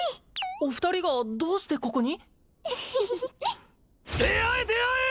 お二人がどうしてここに？であえであえ！